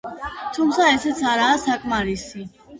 თუმცა ესეც არაა საკმარისი.